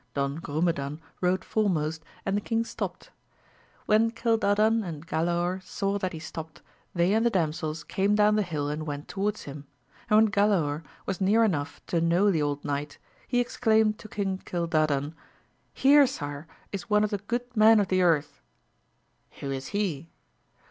Don Grumedan rode foremost and the king stopt. When Gildadan and Galaor saw that he stopt, they and the damsels came down the hill and went towards him, and when Galaor was near enough to know the old knight, he exclaimed to King Gildadan, here sir is one of the good men of the earth. — Who is he?